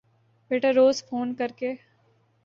بیٹا روز فون کر کے